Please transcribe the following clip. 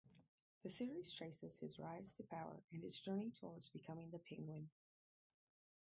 The series traces his rise to power and his journey towards becoming the Penguin.